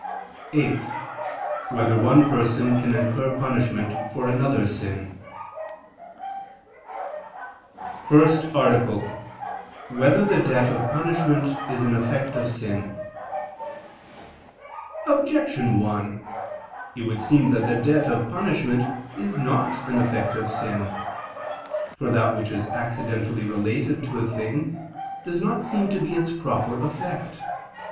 (8) Whether one person can incur punishment for another's sin? ________________________ FIRST ARTICLE [I II, Q. 87, Art. 1] Whether the Debt of Punishment Is an Effect of Sin? Objection 1: It would seem that the debt of punishment is not an effect of sin. For that which is accidentally related to a thing, does not seem to be its proper effect.